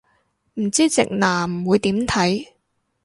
唔知直男會點睇